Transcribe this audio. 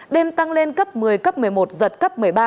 đêm tăng lên cấp một mươi cấp một mươi một giật cấp một mươi ba